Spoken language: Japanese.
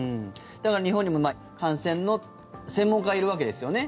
日本にも感染の専門家がいるわけですよね。